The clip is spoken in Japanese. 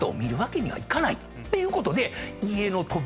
ていうことで。